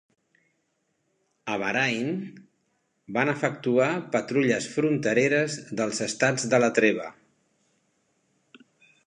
A Bahrain, van efectuar patrulles fronteres dels Estats de la Treva.